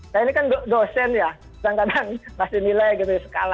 saya ini kan dosen ya kadang kadang ngasih nilai gitu ya